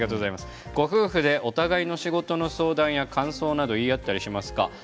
ご夫婦で、お互いの仕事の相談や感想など言い合っていますか？